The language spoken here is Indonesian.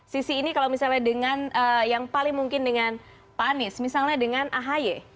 sisi ini kalau misalnya dengan yang paling mungkin dengan pak anies misalnya dengan ahy